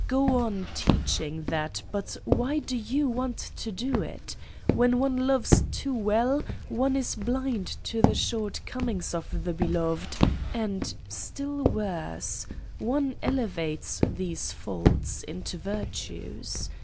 Go on teaching that but why do you want to do it? When one loves too well one is blind to the short comings of the beloved abd still worse : one ele vates these faults to virtues.